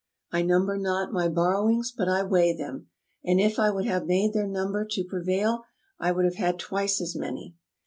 I number not my borrowings, but I weigh them. And if I would have made their number to prevail I would have had twice as many.